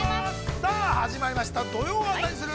さあ始まりました、「土曜はナニする！？」。